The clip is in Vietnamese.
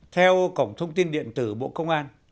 theo cổng thông tin điện tử bộ công an